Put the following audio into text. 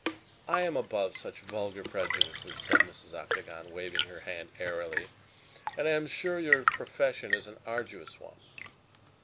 "I am above such vulgar prejudices," said Mrs. Octagon, waving her hand airily, "and I am sure your profession is an arduous one.